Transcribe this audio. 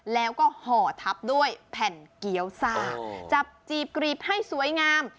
แล้วก็ห่อทับด้วยแผ่นเกี้ยวซ่าจับจีบกรีบให้สวยงาม